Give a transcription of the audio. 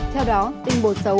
theo đó tinh bột xấu